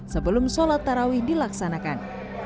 sebelum sholat tarawih dilaksanakan